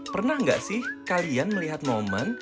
pernah nggak sih kalian melihat momen